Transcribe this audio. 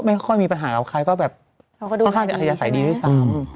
ไม่ค่อยมีปัญหากับใครก็ค่อนข้างอธิษฐะใดดีที่สาม